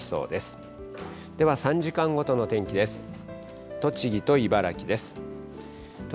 では３時間ごとの天気です。